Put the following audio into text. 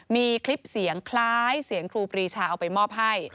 มีคลิปเสียงคล้ายเสียงครูปรีชาเอาไปมอบให้